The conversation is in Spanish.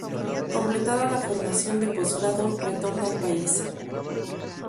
Completada la formación de postgrado retorna al país.